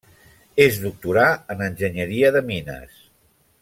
Es doctorà en Enginyeria de Mines.